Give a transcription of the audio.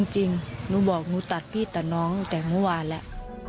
จริงหนูบอกหนูตัดพี่ตัดน้องแต่เมื่อวานแล้ว